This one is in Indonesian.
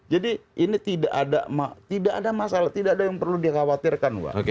ini tidak ada masalah tidak ada yang perlu dikhawatirkan pak